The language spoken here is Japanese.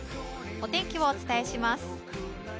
お天気をお伝えします。